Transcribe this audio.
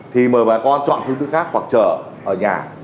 thì mời bà con chọn phương tức khác hoặc chờ ở nhà